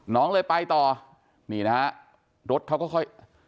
น้องเลยไปต่อนี่นะฮะรถเขาก็ค่อย